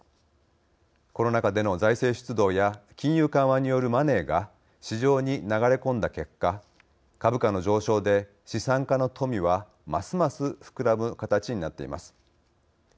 コロナ禍での財政出動や金融緩和によるマネーが市場に流れ込んだ結果株価の上昇で資産家の富はますます膨らむ形になっています。